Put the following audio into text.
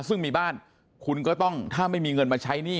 ซึ่งมีบ้านคุณก็ต้องถ้าไม่มีเงินมาใช้หนี้